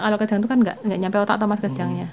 kalau kerjang itu kan nggak nyampe otak